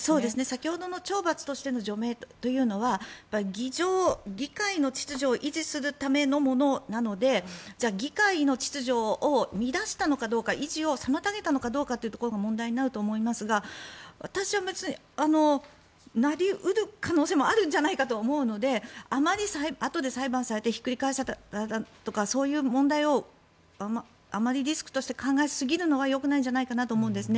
先ほどの懲罰としての除名というのは議会の秩序を維持するためのものなのでじゃあ議会の秩序を乱したのかどうか維持を妨げたのかどうかというところが問題になると思いますが私は、なり得る可能性もあるんじゃないかと思うのであとで裁判されてひっくり返されるとかそういう問題をあまりリスクとして考えすぎるのはよくないんじゃないかなと思います。